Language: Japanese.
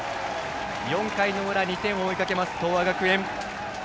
４回の裏、２点を追いかけます東亜学園。